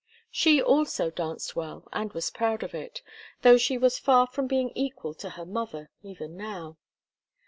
She also danced well and was proud of it, though she was far from being equal to her mother, even now.